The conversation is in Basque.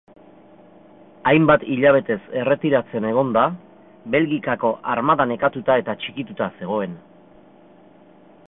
Hainbat hilabetez erretiratzen egonda, Belgikako armada nekatuta eta txikituta zegoen.